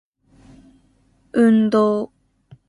Undo.